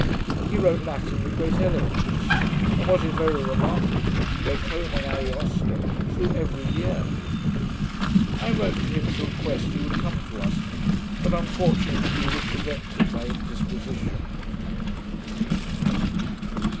He wrote Latin with great elegance, and, what is very remarkable, read Homer and Ariosto through every year. I wrote to him to request he would come to us; but unfortunately he was prevented by indisposition.